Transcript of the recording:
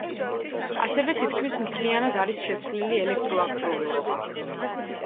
ასევე თითქმის მთლიანად არის შეცვლილი ელექტროაღჭურვილობა.